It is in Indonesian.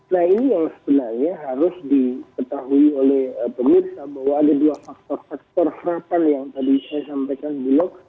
nah ini yang sebenarnya harus diketahui oleh pemirsa bahwa ada dua faktor faktor serapan yang tadi saya sampaikan bulog